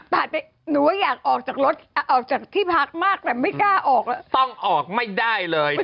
ตัดไปหนูว่าอยากออกจากรถออกจากที่พักมากแต่ไม่กล้าออกแล้วต้องออกไม่ได้เลย